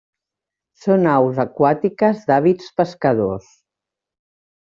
Són aus aquàtiques d'hàbits pescadors.